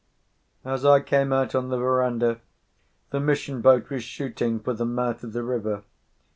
As I came out on the verandah, the mission boat was shooting for the mouth of the river.